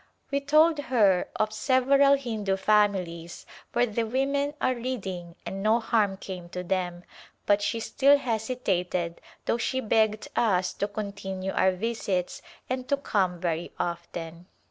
We told her of several Hindu families where the women are reading and no harm came to them, but she still hesitated though she begged us to continue our visits and to " come very often."